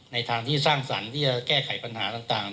ทางที่สร้างสรรค์ที่จะแก้ไขปัญหาต่าง